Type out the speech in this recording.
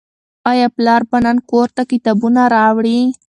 آیا پلار به نن کور ته کتابونه راوړي؟